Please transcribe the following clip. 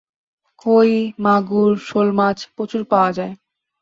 কই, মাগুর, শোলমাছ প্রচুর পাওয়া যায়।